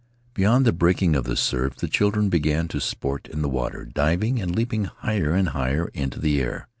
Beyond the breaking of the surf, the children began to sport in the water, diving and leaping higher and higher into the air.